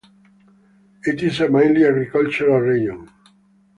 It is a mainly agricultural region.